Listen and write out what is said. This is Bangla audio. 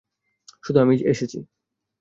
শুধু আমিই এসেছি!